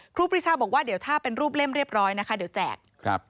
ครูปีชาบอกว่าเดี๋ยวถ้าเป็นรูปเล่มเรียบร้อยนะคะเดี๋ยวแจกครับ